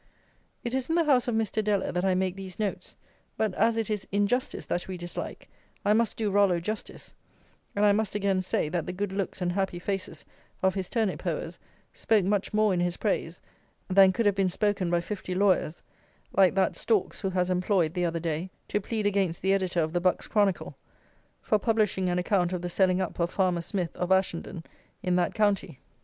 It is in the house of Mr. Deller that I make these notes, but as it is injustice that we dislike, I must do Rollo justice; and I must again say that the good looks and happy faces of his turnip hoers spoke much more in his praise than could have been spoken by fifty lawyers, like that Storks who was employed, the other day, to plead against the Editor of the Bucks Chronicle, for publishing an account of the selling up of farmer Smith, of Ashendon, in that county.